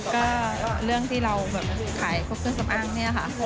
ก็เรื่องที่เราแบบขายพวกเครื่องสำอางเนี่ยค่ะ